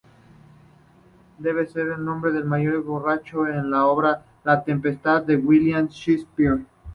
Debe su nombre al mayordomo borracho en la obra "La tempestad" de William Shakespeare.